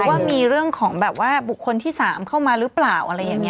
ว่ามีเรื่องของแบบว่าบุคคลที่๓เข้ามาหรือเปล่าอะไรอย่างนี้